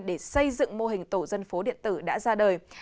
để xây dựng mô hình tổ dân phố điện tử đã ra đời